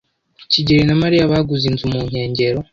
kigeli na Mariya baguze inzu mu nkengero.